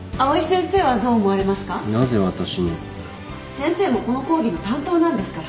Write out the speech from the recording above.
先生もこの講義の担当なんですから。